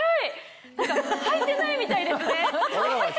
履いてないみたいですね！